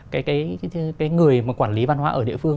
cái người mà quản lý văn hóa ở địa phương